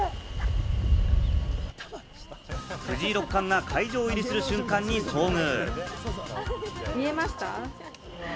藤井六冠が会場入りする瞬間に遭遇。